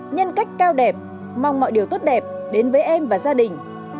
nhân cách cao đẹp mong mọi điều tốt đẹp đến với em và gia đình